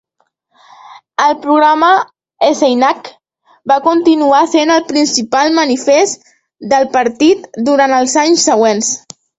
El programa Eisenach va continuar sent el principal manifest del partit durant els anys següents.